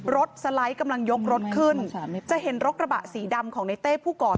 สไลด์กำลังยกรถขึ้นจะเห็นรถกระบะสีดำของในเต้ผู้ก่อเหตุ